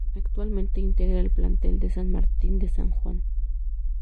Actualmente integra el plantel de San Martín de San Juan.